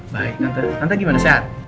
baik tante tante gimana sehat